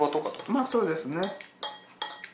まぁそうですね。